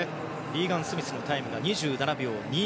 リーガン・スミスのタイムが２７秒２９。